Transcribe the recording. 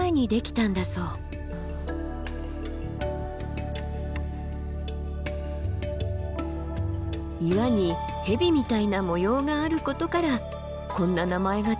岩に蛇みたいな模様があることからこんな名前が付いたんですって。